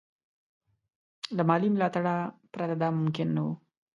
له مالي ملاتړه پرته دا ممکن نه وو.